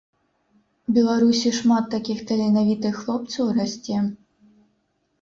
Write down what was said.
Беларусі шмат такіх таленавітых хлопцаў расце.